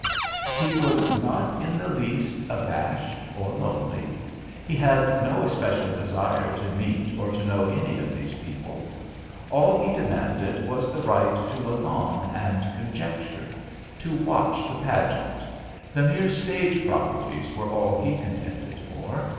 He was not in the least abashed or lonely. He had no especial desire to meet or to know any of these people; all he demanded was the right to look on and conjecture, to watch the pageant. The mere stage properties were all he contended for.